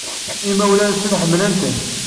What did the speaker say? Imawlan-nsen ḥemmlen-ten.